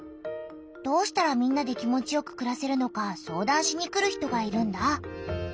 どうしたらみんなで気持ちよくくらせるのか相談しに来る人がいるんだ。